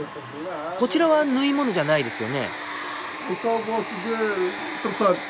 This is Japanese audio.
こちらは縫い物じゃないですよね？